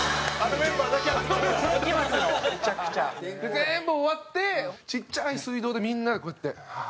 全部終わってちっちゃい水道でみんながこうやってはあ。